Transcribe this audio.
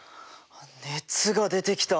熱が出てきた。